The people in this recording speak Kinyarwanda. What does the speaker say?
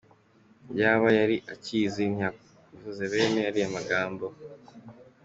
Iyaba yari akizi ntiyakavuze bene ariya magambo.